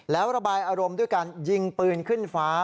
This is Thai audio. แล้วระบายอารมณ์ด้วยการยิงปืนขึ้นฟ้า